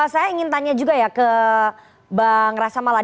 saya ingin tanya juga ya ke bang rasa maladi